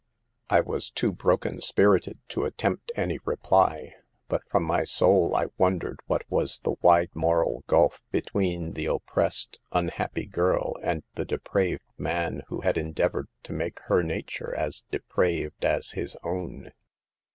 "' 1 was too broken spirited to attempt any reply, but from my soul I wondered what was the wide moral gulf between the oppressed, unhappy girl, and the depraved man who had 158 SAVE THE GIRLS. endeavored to make her nature as depraved as his own.